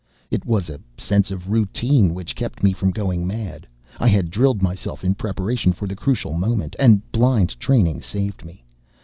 It was a sense of routine which kept me from going mad. I had drilled myself in preparation for the crucial moment, and blind training saved me.